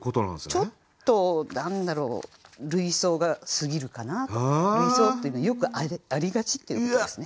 ちょっと何だろう類想が過ぎるかなと思う類想っていうのはよくありがちっていうことですね。